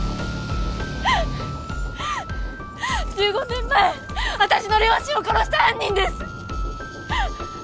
１５年前私の両親を殺した犯人です！